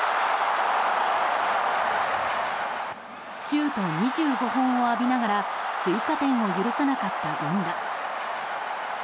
シュート２５本を浴びながら追加点を許さなかった権田。